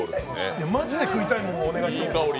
マジで食いたいもんをお願いして。